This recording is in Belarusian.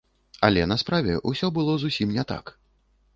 Але на справе ўсё было зусім не так.